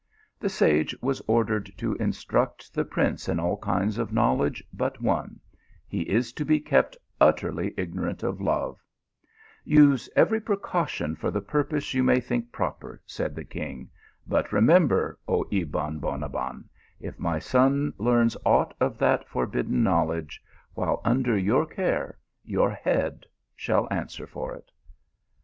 The sage was ordered to instruct the prince in all kinds of knowledge but one he is to be kept utterly ignorant of love " use every precaution for the purpose you may think proper," said the king, "but remember, oh Ebon Bonabbon, if my son learns aught of that forbidden knowledge, while under your care, your head shall answer for it."